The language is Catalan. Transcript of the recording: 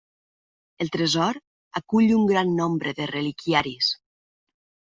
El tresor acull un gran nombre de reliquiaris.